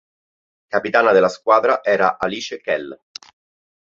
Capitana della squadra era Alice Kell.